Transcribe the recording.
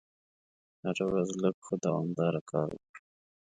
هره ورځ لږ خو دوامداره کار وکړه.